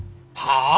はあ？